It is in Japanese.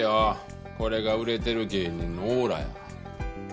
これが売れてる芸人のオーラや。